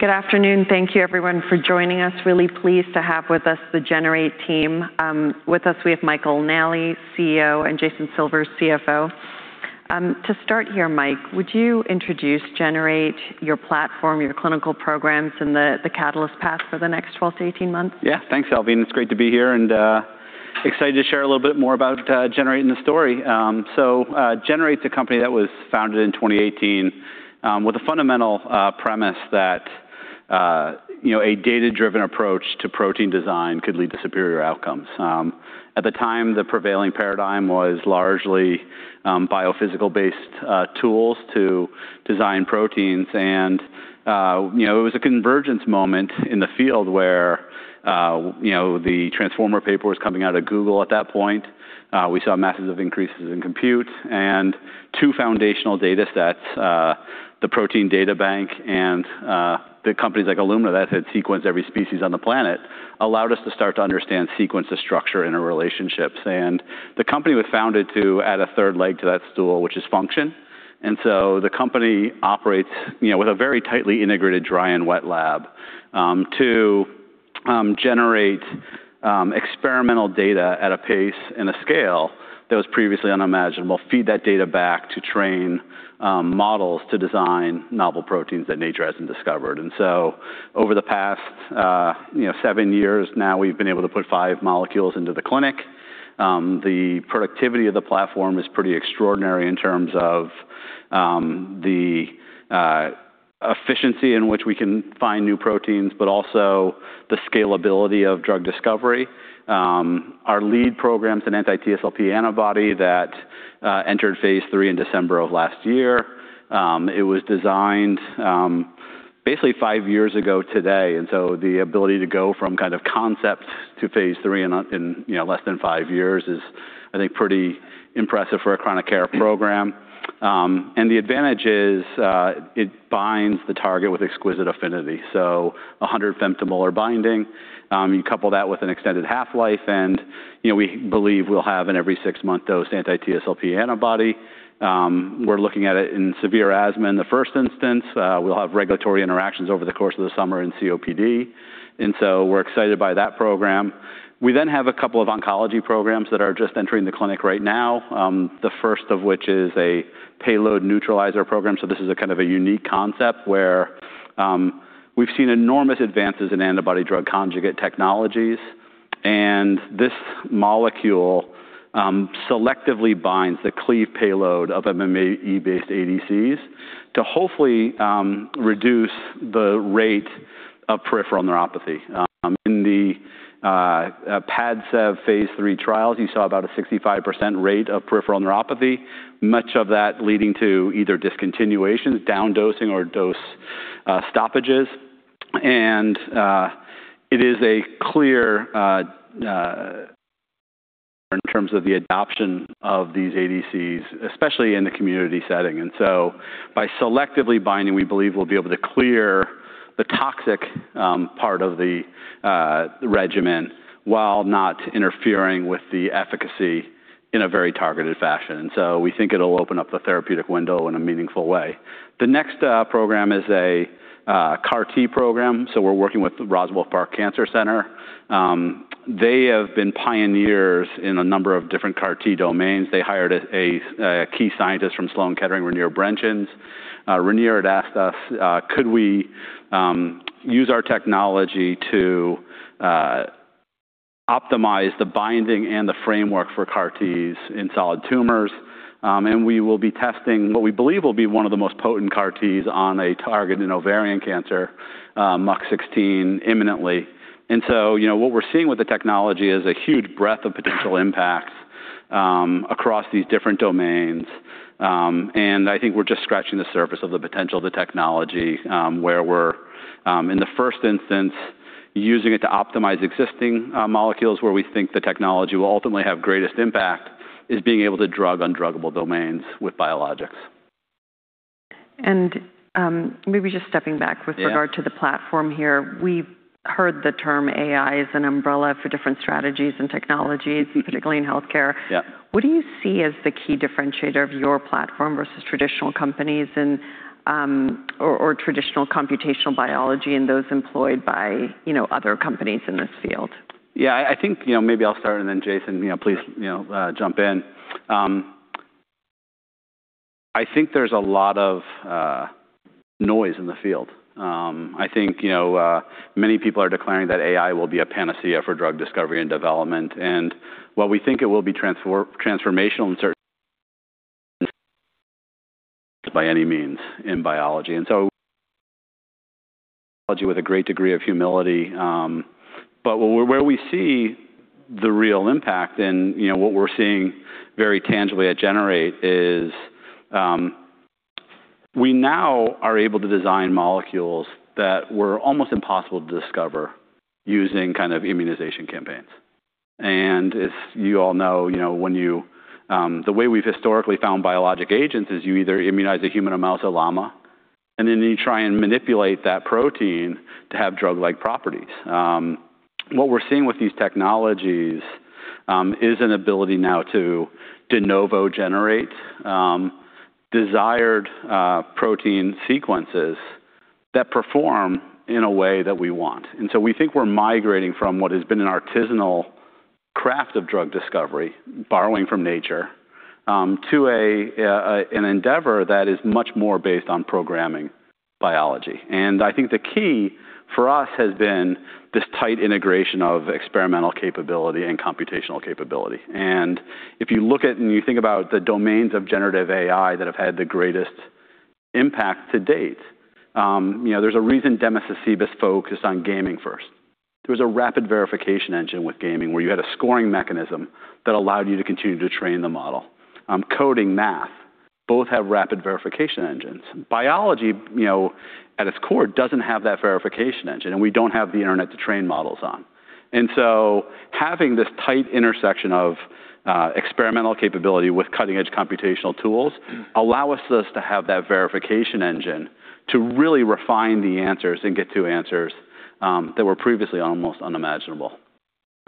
Good afternoon. Thank you everyone for joining us. Really pleased to have with us the Generate team. With us, we have Michael Nally, Chief Executive Officer, and Jason Silvers, Chief Financial Officer. To start here, Michael Nally, would you introduce Generate, your platform, your clinical programs, and the catalyst path for the next 12 months-18 months? Yeah. Thanks, Salveen. It's great to be here, excited to share a little bit more about Generate Biomedicines and the story. Generate Biomedicines a company that was founded in 2018 with the fundamental premise that a data-driven approach to protein design could lead to superior outcomes. At the time, the prevailing paradigm was largely biophysical-based tools to design proteins, it was a convergence moment in the field where the Transformer paper was coming out of Google at that point. We saw masses of increases in compute and two foundational data sets, the Protein Data Bank and the companies like Illumina that had sequenced every species on the planet, allowed us to start to understand sequence to structure interrelationships. The company was founded to add a third leg to that stool, which is function. The company operates with a very tightly integrated dry and wet lab to generate experimental data at a pace and a scale that was previously unimaginable, feed that data back to train models to design novel proteins that nature hasn't discovered. Over the past seven years now, we've been able to put five molecules into the clinic. The productivity of the platform is pretty extraordinary in terms of the efficiency in which we can find new proteins, but also the scalability of drug discovery. Our lead program's an anti-TSLP antibody that entered phase III in December of last year. It was designed basically five years ago today, the ability to go from kind of concept to phase III in less than five years is, I think, pretty impressive for a chronic care program. The advantage is it binds the target with exquisite affinity, 100 femtomolar binding. You couple that with an extended half-life, and we believe we'll have an every six-month dose anti-TSLP antibody. We're looking at it in severe asthma in the first instance. We'll have regulatory interactions over the course of the summer in COPD, we're excited by that program. We then have a couple of oncology programs that are just entering the clinic right now. The first of which is a payload neutralizer program, this is a kind of a unique concept where we've seen enormous advances in antibody-drug conjugate technologies, and this molecule selectively binds the cleavable payload of MMAE-based ADCs to hopefully reduce the rate of peripheral neuropathy. In the PADCEV phase III trials, you saw about a 65% rate of peripheral neuropathy, much of that leading to either discontinuations, down dosing, or dose stoppages. It is a clear in terms of the adoption of these ADCs, especially in the community setting. By selectively binding, we believe we'll be able to clear the toxic part of the regimen while not interfering with the efficacy in a very targeted fashion. We think it'll open up the therapeutic window in a meaningful way. The next program is a CAR T program, so we're working with Roswell Park Comprehensive Cancer Center. They have been pioneers in a number of different CAR T domains. They hired a key scientist from Sloan Kettering, Reinier Brentjens. Reinier had asked us could we use our technology to optimize the binding and the framework for CAR Ts in solid tumors, and we will be testing what we believe will be one of the most potent CAR Ts on a target in ovarian cancer, MUC16, imminently. What we're seeing with the technology is a huge breadth of potential impacts across these different domains, I think we're just scratching the surface of the potential of the technology where we're, in the first instance, using it to optimize existing molecules. Where we think the technology will ultimately have greatest impact is being able to drug undruggable domains with biologics. Maybe just stepping back with regard- Yeah to the platform here. We've heard the term AI as an umbrella for different strategies and technologies, particularly in healthcare. Yeah. What do you see as the key differentiator of your platform versus traditional companies or traditional computational biology and those employed by other companies in this field? Yeah, I think maybe I'll start, then Jason, please jump in. I think there's a lot of noise in the field. I think many people are declaring that AI will be a panacea for drug discovery and development, and while we think it will be transformational in certain by any means in biology. With a great degree of humility. Where we see the real impact, and what we're seeing very tangibly at Generate is we now are able to design molecules that were almost impossible to discover using kind of immunization campaigns. As you all know, the way we've historically found biologic agents is you either immunize a human, a mouse, a llama, then you try and manipulate that protein to have drug-like properties. What we're seeing with these technologies is an ability now to de novo generate desired protein sequences that perform in a way that we want. We think we're migrating from what has been an artisanal craft of drug discovery, borrowing from nature, to an endeavor that is much more based on programming biology. I think the key for us has been this tight integration of experimental capability and computational capability. If you look at and you think about the domains of generative AI that have had the greatest impact to date, there's a reason Demis Hassabis focused on gaming first. There was a rapid verification engine with gaming where you had a scoring mechanism that allowed you to continue to train the model. Coding, math, both have rapid verification engines. Biology, at its core, doesn't have that verification engine, and we don't have the internet to train models on. Having this tight intersection of experimental capability with cutting-edge computational tools allow us to have that verification engine to really refine the answers and get to answers that were previously almost unimaginable.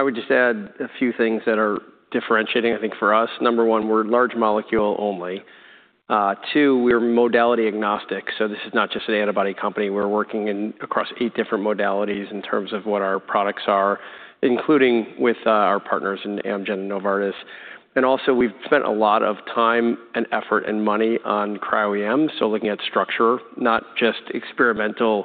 I would just add a few things that are differentiating, I think, for us. Number one, we're large molecule only. Two, we're modality agnostic, this is not just an antibody company. We're working across eight different modalities in terms of what our products are, including with our partners in Amgen and Novartis. Also, we've spent a lot of time and effort and money on cryo-EM, looking at structure, not just experimental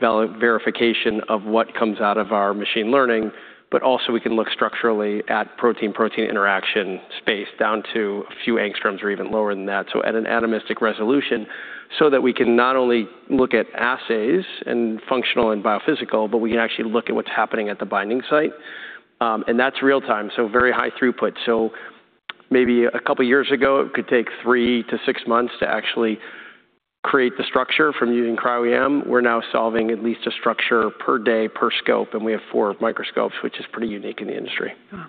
verification of what comes out of our machine learning, but also we can look structurally at protein-protein interaction space down to a few angstroms or even lower than that. At an atomistic resolution, so that we can not only look at assays and functional and biophysical, but we can actually look at what's happening at the binding site, and that's real-time, very high throughput. Maybe a couple of years ago, it could take three to six months to actually create the structure from using cryo-EM. We're now solving at least a structure per day per scope, and we have four microscopes, which is pretty unique in the industry. Wow.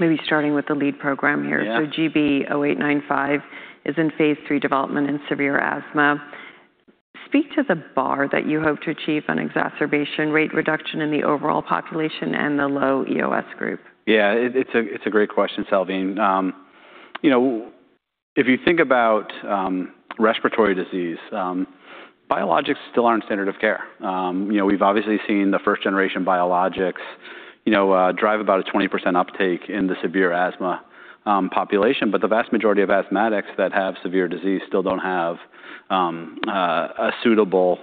Maybe starting with the lead program here. Yeah. GB-0895 is in phase III development in severe asthma. Speak to the bar that you hope to achieve on exacerbation rate reduction in the overall population and the low EOS group. Yeah, it's a great question, Salveen. If you think about respiratory disease, biologics still aren't standard of care. We've obviously seen the first-generation biologics drive about a 20% uptake in the severe asthma population, but the vast majority of asthmatics that have severe disease still don't have a suitable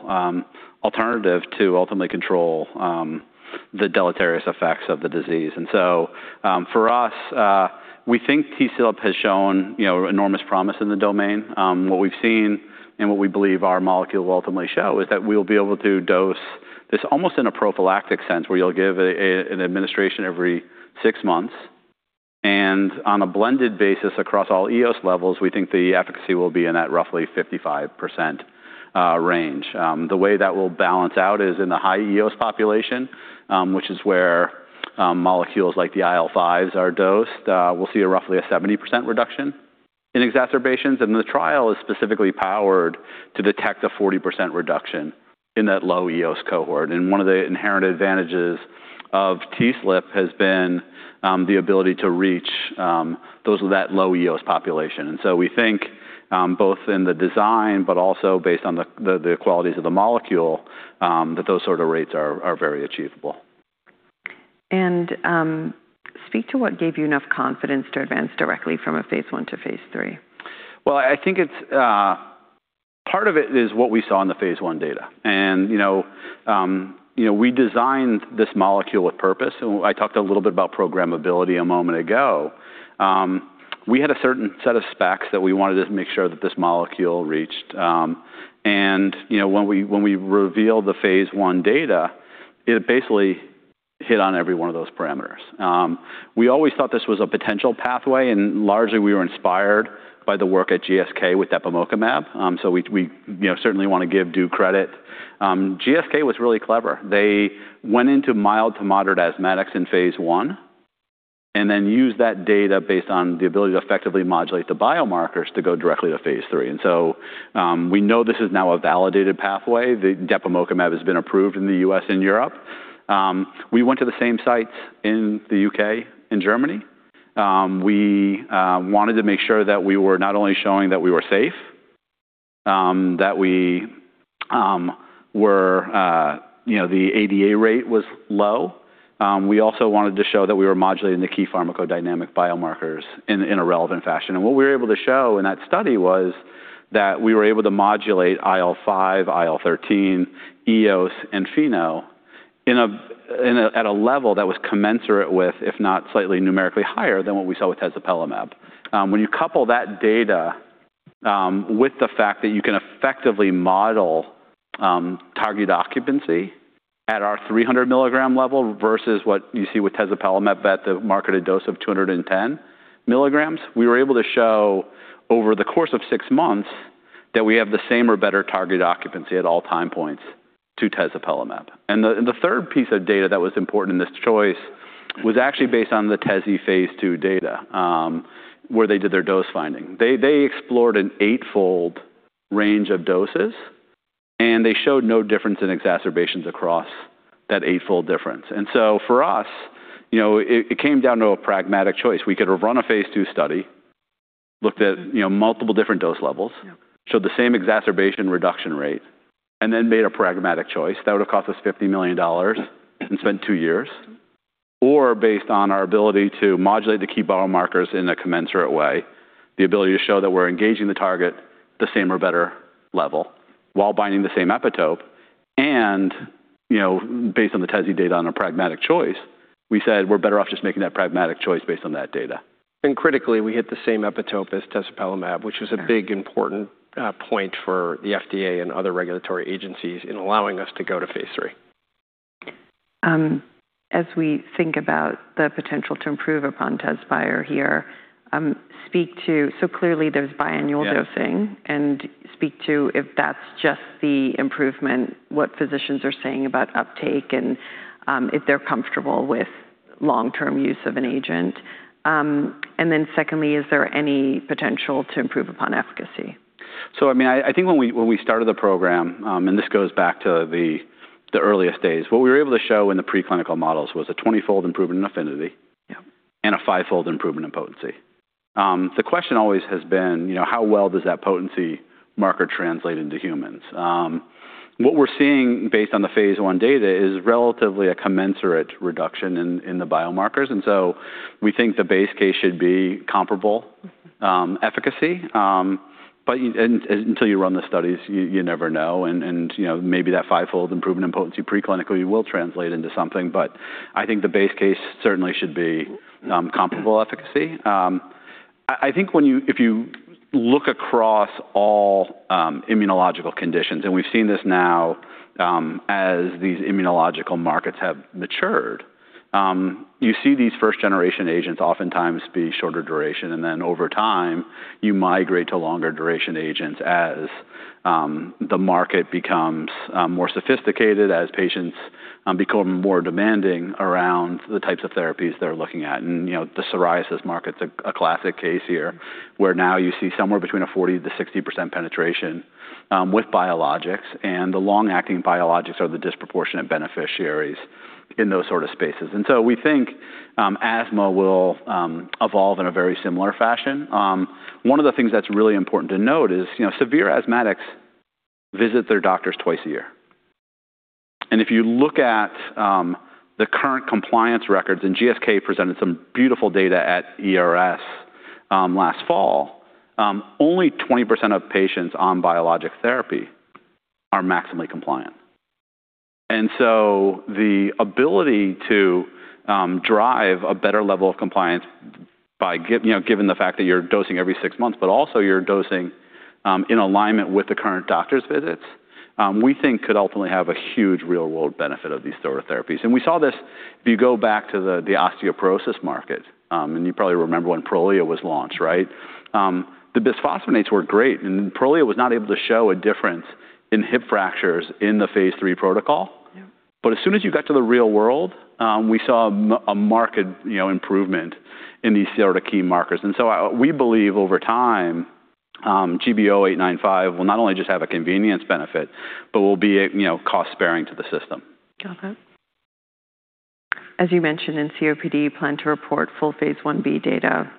alternative to ultimately control the deleterious effects of the disease. For us, we think TSLP has shown enormous promise in the domain. What we've seen and what we believe our molecule will ultimately show is that we'll be able to dose this almost in a prophylactic sense, where you'll give an administration every six months. On a blended basis across all EOS levels, we think the efficacy will be in that roughly 55% range. The way that will balance out is in the high EOS population, which is where molecules like the IL-5s are dosed. We'll see roughly a 70% reduction in exacerbations, the trial is specifically powered to detect a 40% reduction in that low EOS cohort. One of the inherent advantages of TSLP has been the ability to reach that low EOS population. We think both in the design but also based on the qualities of the molecule, that those sort of rates are very achievable. Speak to what gave you enough confidence to advance directly from a phase I-phase III. Well, I think part of it is what we saw in the phase I data. We designed this molecule with purpose, I talked a little bit about programmability a moment ago. We had a certain set of specs that we wanted to make sure that this molecule reached. When we revealed the phase I data, it basically hit on every one of those parameters. We always thought this was a potential pathway, largely we were inspired by the work at GSK with depemokimab, so we certainly want to give due credit. GSK was really clever. They went into mild to moderate asthmatics in phase I and then used that data based on the ability to effectively modulate the biomarkers to go directly to phase III. We know this is now a validated pathway. The depemokimab has been approved in the U.S. and Europe. We went to the same sites in the U.K. and Germany. We wanted to make sure that we were not only showing that we were safe, that the ADA rate was low. We also wanted to show that we were modulating the key pharmacodynamic biomarkers in a relevant fashion. What we were able to show in that study was that we were able to modulate IL-5, IL-13, EOS, and FeNO at a level that was commensurate with, if not slightly numerically higher than what we saw with tezepelumab. When you couple that data with the fact that you can effectively model target occupancy at our 300 mg level versus what you see with tezepelumab at the marketed dose of 210 mg, we were able to show over the course of six months that we have the same or better target occupancy at all time points to tezepelumab. The third piece of data that was important in this choice was actually based on the tezepelumab phase II data, where they did their dose finding. They explored an eightfold range of doses. They showed no difference in exacerbations across that eightfold difference. For us, it came down to a pragmatic choice. We could have run a phase II study, looked at multiple different dose levels, showed the same exacerbation reduction rate, and then made a pragmatic choice that would have cost us $50 million and spent two years. Based on our ability to modulate the key biomarker in a commensurate way, the ability to show that we're engaging the target the same or better level while binding the same epitope. Based on the tezepelumab data on a pragmatic choice, we said we're better off just making that pragmatic choice based on that data. Critically, we hit the same epitope as tezepelumab, which was a big important point for the FDA and other regulatory agencies in allowing us to go to phase III. As we think about the potential to improve upon Tezspire here, clearly there's biannual dosing. Yeah. Speak to if that's just the improvement, what physicians are saying about uptake, and if they're comfortable with long-term use of an agent. Secondly, is there any potential to improve upon efficacy? I think when we started the program, this goes back to the earliest days, what we were able to show in the preclinical models was a 20-fold improvement in affinity. Yeah A fivefold improvement in potency. The question always has been, how well does that potency marker translate into humans? What we're seeing based on the phase I data is relatively a commensurate reduction in the biomarkers, we think the base case should be comparable efficacy. Until you run the studies, you never know. Maybe that fivefold improvement in potency preclinically will translate into something, but I think the base case certainly should be comparable efficacy. If you look across all immunological conditions, and we've seen this now as these immunological markets have matured, you see these first-generation agents oftentimes be shorter duration, then over time you migrate to longer duration agents as the market becomes more sophisticated, as patients become more demanding around the types of therapies they're looking at. The psoriasis market's a classic case here, where now you see somewhere between a 40%-60% penetration with biologics, and the long-acting biologics are the disproportionate beneficiaries in those sort of spaces. We think asthma will evolve in a very similar fashion. One of the things that's really important to note is severe asthmatics visit their doctors twice a year. If you look at the current compliance records, and GSK presented some beautiful data at ERS last fall, only 20% of patients on biologic therapy are maximally compliant. The ability to drive a better level of compliance, given the fact that you're dosing every six months, but also you're dosing in alignment with the current doctor's visits, we think could ultimately have a huge real-world benefit of these sort of therapies. We saw this if you go back to the osteoporosis market, you probably remember when Prolia was launched, right? The bisphosphonates were great, Prolia was not able to show a difference in hip fractures in the phase III protocol. Yeah. As soon as you got to the real world, we saw a marked improvement in these sort of key markers. We believe over time, GB-0895 will not only just have a convenience benefit, but will be cost-sparing to the system. Got it. As you mentioned, in COPD, you plan to report full phase I-B data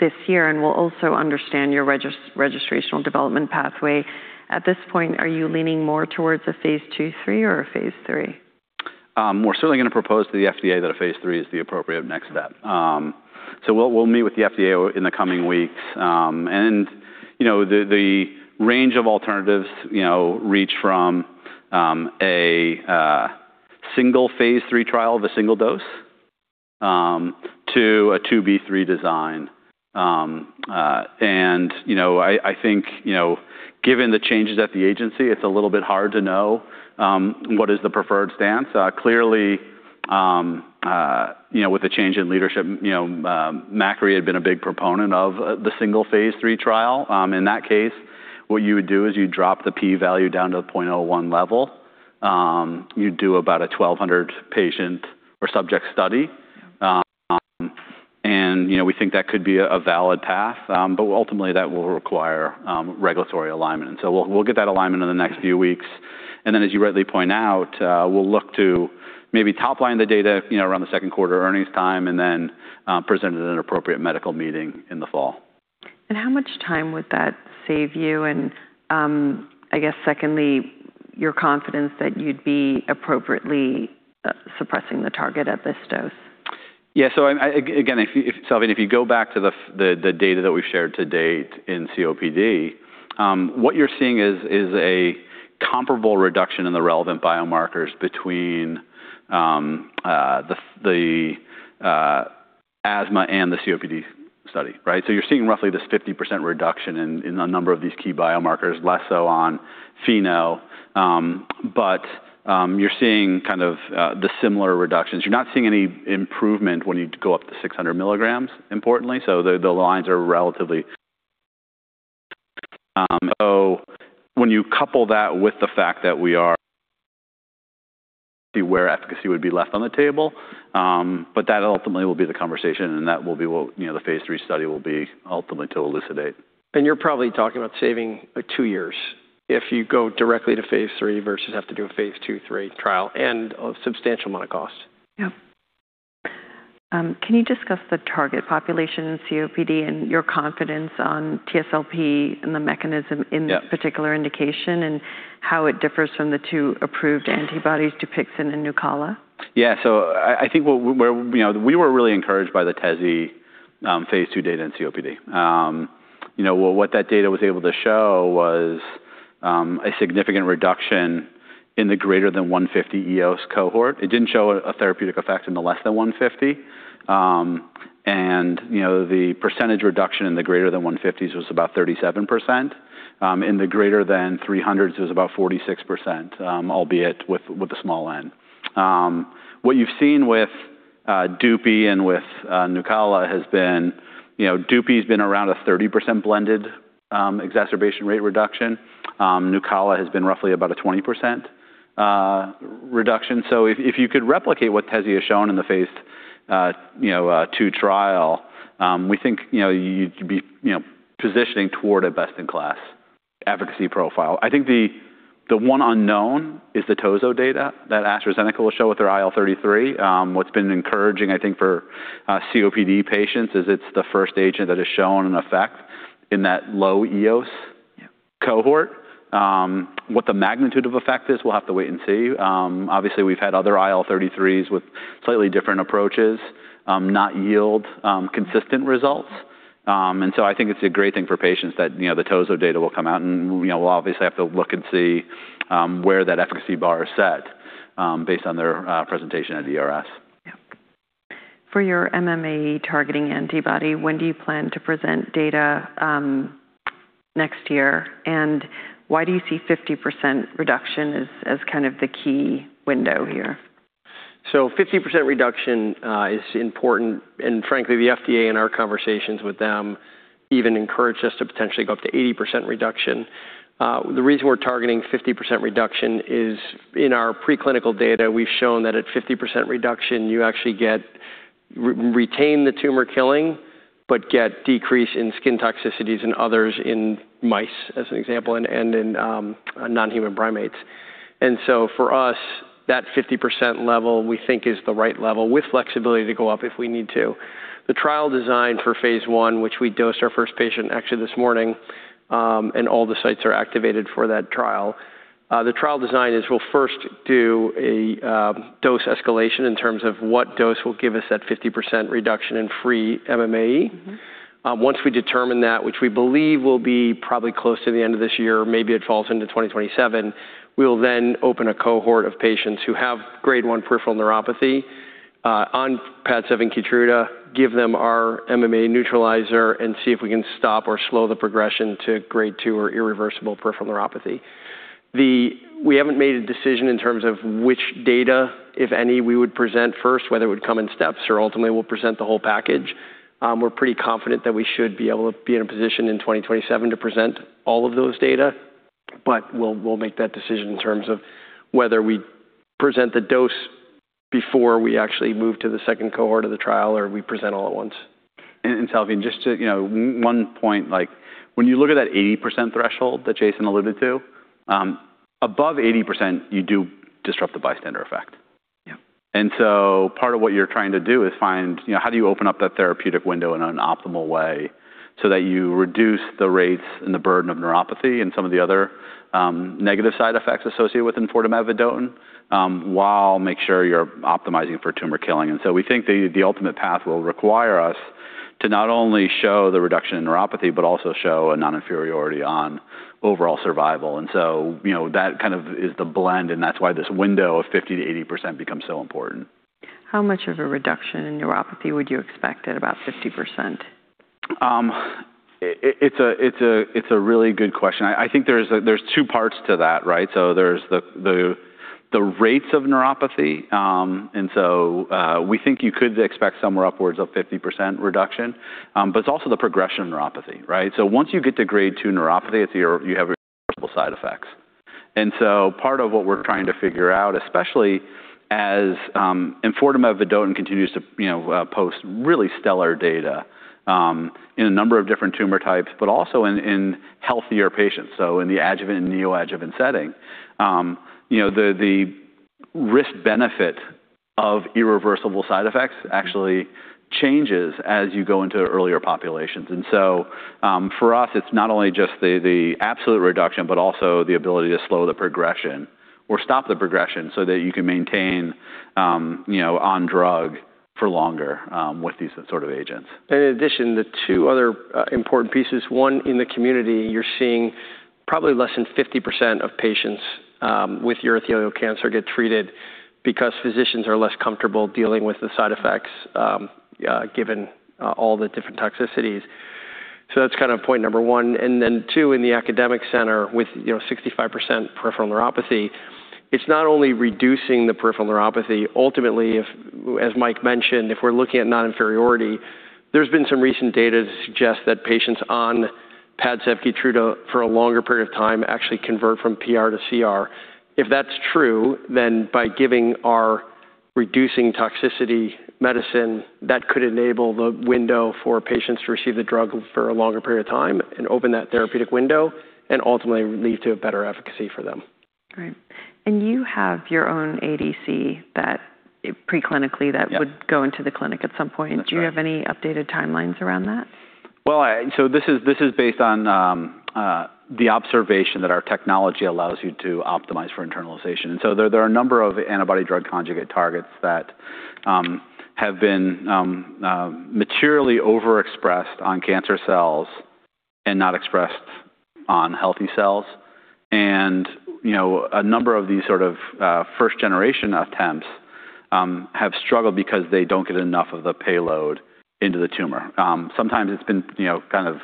this year and we'll also understand your registrational development pathway. At this point, are you leaning more towards a phase II-III or a phase III? We're certainly going to propose to the FDA that a phase III is the appropriate next step. We'll meet with the FDA in the coming weeks. The range of alternatives reach from a single phase III trial of a single dose to a phase II-B/III design. I think given the changes at the agency, it's a little bit hard to know what is the preferred stance. Clearly, with the change in leadership management had been a big proponent of the single phase III trial. In that case, what you would do is you drop the P value down to the 0.01 level. You do about a 1,200 patient or subject study. Yeah. We think that could be a valid path. Ultimately, that will require regulatory alignment. We'll get that alignment in the next few weeks. As you rightly point out, we'll look to maybe top-line the data around the second quarter earnings time, then present it at an appropriate medical meeting in the fall. How much time would that save you? I guess secondly, your confidence that you'd be appropriately suppressing the target at this dose. Again, Salveen, if you go back to the data that we've shared to date in COPD, what you're seeing is a comparable reduction in the relevant biomarkers between the asthma and the COPD study, right. You're seeing roughly this 50% reduction in a number of these key biomarkers, less so on FeNO. You're seeing kind of the similar reductions. You're not seeing any improvement when you go up to 600 milligrams, importantly. That ultimately will be the conversation and that will be what the phase III study will be ultimately to elucidate. You're probably talking about saving two years if you go directly to phase III versus have to do a phase II/III trial and a substantial amount of cost. Yeah. Can you discuss the target population in COPD and your confidence on TSLP and the mechanism- Yeah In that particular indication, how it differs from the two approved antibodies, Dupixent and Nucala? Yeah. I think we were really encouraged by the TEZI phase II data in COPD. What that data was able to show was a significant reduction in the greater than 150 EOS cohort. It didn't show a therapeutic effect in the less than 150 cells per microliter. The percentage reduction in the greater than 150s was about 37%, in the greater than 300s was about 46%, albeit with a small N. What you've seen with Dupie and with Nucala has been, Dupie's been around a 30% blended exacerbation rate reduction. Nucala has been roughly about a 20% reduction. If you could replicate what TEZI has shown in the phase II trial, we think you'd be positioning toward a best-in-class efficacy profile. I think the one unknown is the tozorakimab data that AstraZeneca will show with their IL-33. What's been encouraging, I think, for COPD patients is it's the first agent that has shown an effect in that low EOS cohort. Yeah. What the magnitude of effect is, we'll have to wait and see. Obviously, we've had other IL-33s with slightly different approaches, not yield consistent results. I think it's a great thing for patients that the tozorakimab data will come out and we'll obviously have to look and see where that efficacy bar is set based on their presentation at ERS. Yeah. For your MMAE-targeting antibody, when do you plan to present data next year, and why do you see 50% reduction as the key window here? 50% reduction is important, and frankly, the FDA in our conversations with them even encouraged us to potentially go up to 80% reduction. The reason we're targeting 50% reduction is in our preclinical data, we've shown that at 50% reduction, you actually retain the tumor killing, but get decrease in skin toxicities in others, in mice, as an example, and in non-human primates. For us, that 50% level, we think is the right level with flexibility to go up if we need to. The trial design for phase I, which we dosed our first patient actually this morning, and all the sites are activated for that trial. The trial design is we'll first do a dose escalation in terms of what dose will give us that 50% reduction in free MMAE. Once we determine that, which we believe will be probably close to the end of this year, maybe it falls into 2027, we'll then open a cohort of patients who have Grade 1 peripheral neuropathy, on PADCEV KEYTRUDA, give them our MMAE neutralizer, and see if we can stop or slow the progression to Grade 2 or irreversible peripheral neuropathy. We haven't made a decision in terms of which data, if any, we would present first, whether it would come in steps or ultimately we'll present the whole package. We're pretty confident that we should be able to be in a position in 2027 to present all of those data, but we'll make that decision in terms of whether we present the dose before we actually move to the second cohort of the trial, or we present all at once. Salveen, just to one point, when you look at that 80% threshold that Jason alluded to, above 80%, you do disrupt the bystander effect. Yeah. Part of what you're trying to do is find how do you open up that therapeutic window in an optimal way so that you reduce the rates and the burden of neuropathy and some of the other negative side effects associated with enfortumab vedotin, while make sure you're optimizing for tumor killing. We think the ultimate path will require us to not only show the reduction in neuropathy, but also show a non-inferiority on overall survival. That is the blend, and that's why this window of 50%-80% becomes so important. How much of a reduction in neuropathy would you expect at about 50%? It's a really good question. I think there's two parts to that, right? There's the rates of neuropathy, we think you could expect somewhere upwards of 50% reduction. It's also the progression of neuropathy, right? Once you get to Grade 2 neuropathy, you have irreversible side effects. Part of what we're trying to figure out, especially as enfortumab vedotin continues to post really stellar data in a number of different tumor types, but also in healthier patients, so in the adjuvant and neoadjuvant setting. The risk-benefit of irreversible side effects actually changes as you go into earlier populations. For us, it's not only just the absolute reduction, but also the ability to slow the progression or stop the progression so that you can maintain on drug for longer with these sort of agents. In addition, the two other important pieces, one, in the community, you're seeing probably less than 50% of patients with urothelial cancer get treated because physicians are less comfortable dealing with the side effects, given all the different toxicities. That's point number one, then two, in the academic center with 65% peripheral neuropathy, it's not only reducing the peripheral neuropathy. Ultimately, as Mike mentioned, if we're looking at non-inferiority, there's been some recent data to suggest that patients on Padcev Keytruda for a longer period of time actually convert from PR to CR. If that's true, then by giving our reducing toxicity medicine, that could enable the window for patients to receive the drug for a longer period of time and open that therapeutic window, ultimately lead to a better efficacy for them. Right. You have your own ADC preclinically that would go into the clinic at some point. That's right. Do you have any updated timelines around that? This is based on the observation that our technology allows you to optimize for internalization. There are a number of antibody-drug conjugate targets that have been materially overexpressed on cancer cells and not expressed on healthy cells. A number of these sort of first-generation attempts have struggled because they don't get enough of the payload into the tumor. Sometimes it's been kind of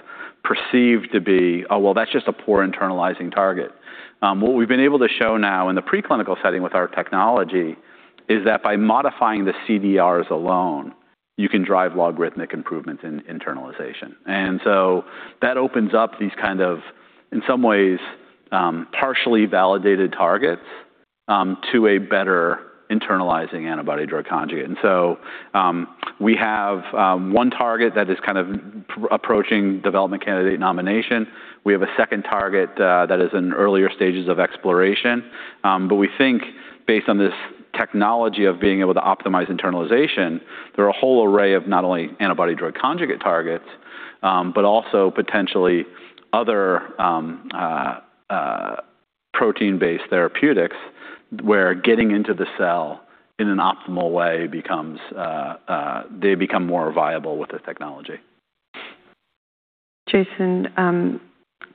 perceived to be, "Oh, well, that's just a poor internalizing target." What we've been able to show now in the preclinical setting with our technology is that by modifying the CDRs alone, you can drive logarithmic improvement in internalization. That opens up these kind of, in some ways, partially validated targets to a better internalizing antibody-drug conjugate. We have one target that is kind of approaching development candidate nomination. We have a second target that is in earlier stages of exploration. We think based on this technology of being able to optimize internalization, there are a whole array of not only antibody-drug conjugate targets, but also potentially other protein-based therapeutics where getting into the cell in an optimal way, they become more viable with the technology. Jason,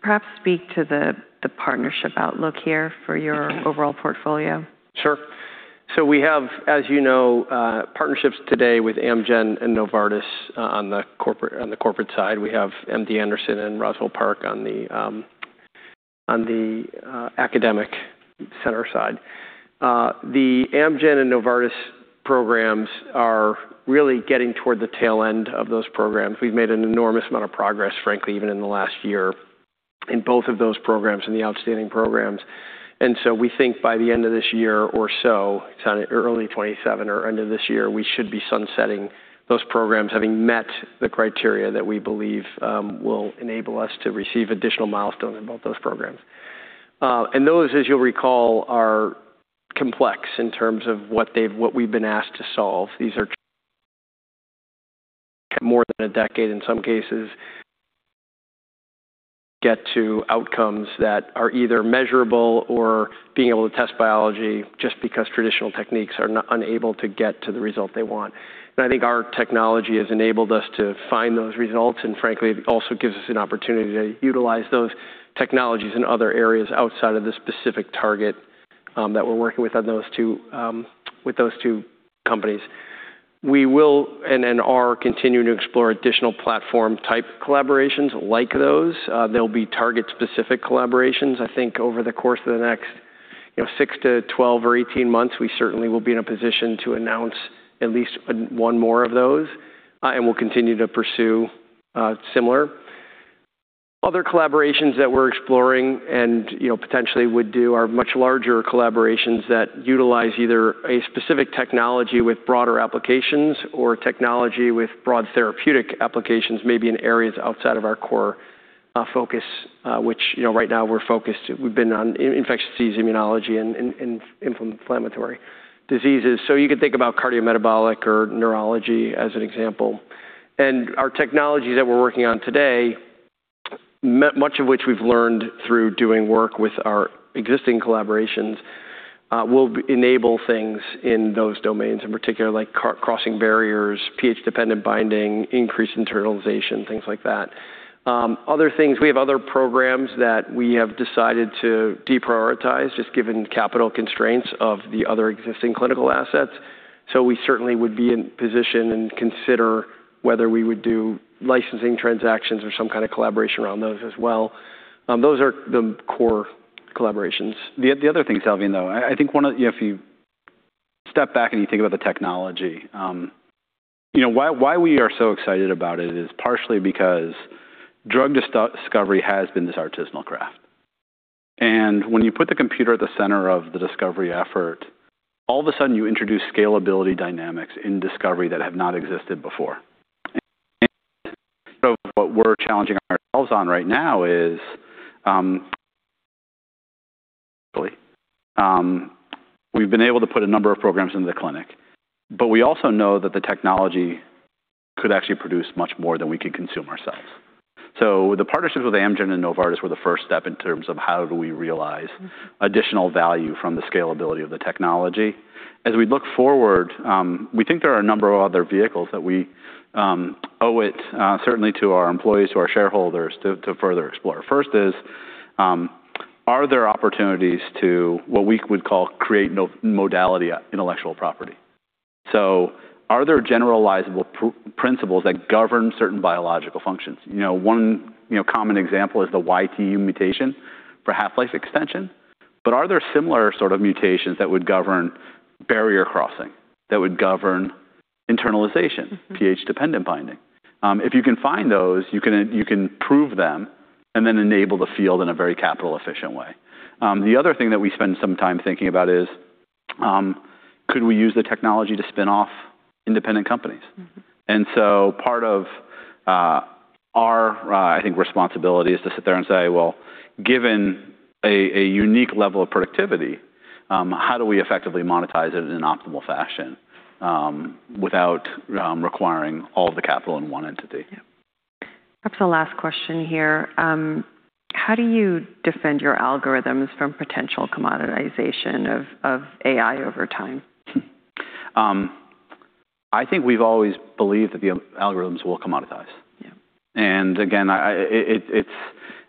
perhaps speak to the partnership outlook here for your overall portfolio. Sure. We have, as you know, partnerships today with Amgen and Novartis on the corporate side. We have MD Anderson and Roswell Park Comprehensive Cancer Center on the academic center side. The Amgen and Novartis programs are really getting toward the tail end of those programs. We've made an enormous amount of progress, frankly, even in the last year in both of those programs, in the outstanding programs. We think by the end of this year or so, early 2027 or end of this year, we should be sunsetting those programs, having met the criteria that we believe will enable us to receive additional milestones in both those programs. Those, as you'll recall, are complex in terms of what we've been asked to solve. These are more than a decade in some cases, get to outcomes that are either measurable or being able to test biology just because traditional techniques are unable to get to the result they want. Our technology has enabled us to find those results, and frankly, it also gives us an opportunity to utilize those technologies in other areas outside of the specific target that we're working with on those two companies. We will and are continuing to explore additional platform-type collaborations like those. They'll be target-specific collaborations. Over the course of the next six months to 12 months or 18 months, we certainly will be in a position to announce at least one more of those, and we'll continue to pursue similar. Other collaborations that we're exploring and potentially would do are much larger collaborations that utilize either a specific technology with broader applications or technology with broad therapeutic applications, maybe in areas outside of our core focus, which right now we're focused, we've been on infectious disease, immunology, and inflammatory diseases. You could think about cardiometabolic or neurology as an example. Our technology that we're working on today, much of which we've learned through doing work with our existing collaborations will enable things in those domains, in particular like crossing barriers, pH-dependent binding, increased internalization, things like that. Other things, we have other programs that we have decided to deprioritize, just given capital constraints of the other existing clinical assets. We certainly would be in position and consider whether we would do licensing transactions or some kind of collaboration around those as well. Those are the core collaborations. The other thing, Salveen, though, if you step back and you think about the technology, why we are so excited about it is partially because drug discovery has been this artisanal craft. When you put the computer at the center of the discovery effort, all of a sudden you introduce scalability dynamics in discovery that have not existed before. What we're challenging ourselves on right now is we've been able to put a number of programs into the clinic, but we also know that the technology could actually produce much more than we could consume ourselves. The partnerships with Amgen and Novartis were the first step in terms of how do we realize additional value from the scalability of the technology. As we look forward, we think there are a number of other vehicles that we owe it, certainly to our employees, to our shareholders, to further explore. First is, are there opportunities to what we would call create modality intellectual property? Are there generalizable principles that govern certain biological functions? One common example is the YTE mutation for half-life extension, but are there similar sort of mutations that would govern barrier crossing, that would govern internalization, pH-dependent binding? If you can find those, you can prove them and then enable the field in a very capital-efficient way. The other thing that we spend some time thinking about is, could we use the technology to spin off independent companies? part of our, I think, responsibility is to sit there and say, well, given a unique level of productivity, how do we effectively monetize it in an optimal fashion without requiring all the capital in one entity? Yeah. Perhaps the last question here, how do you defend your algorithms from potential commoditization of AI over time? I think we've always believed that the algorithms will commoditize. Yeah. again,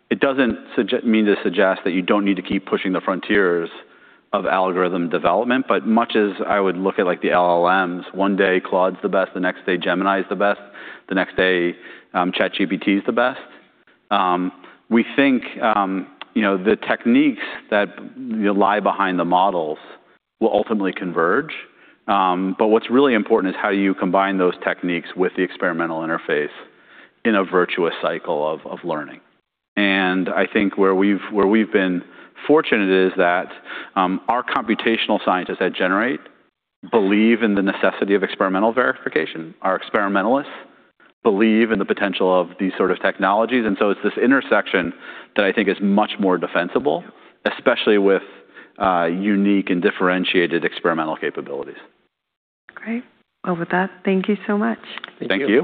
it doesn't mean to suggest that you don't need to keep pushing the frontiers of algorithm development, but much as I would look at the LLMs, one day Claude's the best, the next day Gemini is the best, the next day ChatGPT is the best. We think the techniques that lie behind the models will ultimately converge. What's really important is how you combine those techniques with the experimental interface in a virtuous cycle of learning. I think where we've been fortunate is that our computational scientists at Generate believe in the necessity of experimental verification. Our experimentalists believe in the potential of these sort of technologies. it's this intersection that I think is much more defensible, especially with unique and differentiated experimental capabilities. Great. Well, with that, thank you so much. Thank you.